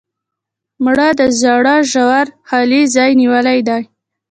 مړه د زړه ژور خالي ځای نیولې ده